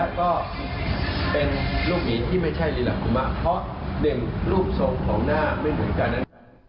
แล้วก็เป็นลูกหมาที่ไม่ใช่ลิลากุมะเพราะเดินรูปทรงของหน้าไม่เหมือนกันนั้น